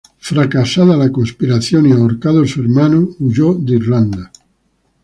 Fracasada la conspiración, y ahorcado su hermano, huyó de Irlanda.